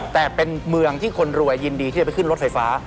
แต่เป็นเมืองที่คนรวยยินดีที่จะไปขึ้นรถไฟฟ้า